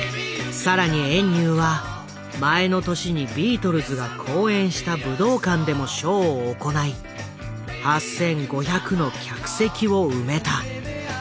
さらに遠入は前の年にビートルズが公演した武道館でもショーを行い８，５００の客席を埋めた。